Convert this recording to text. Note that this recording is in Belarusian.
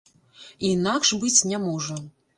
І інакш быць не можа.